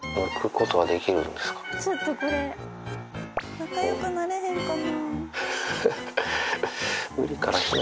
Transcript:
仲よくなれへんかな。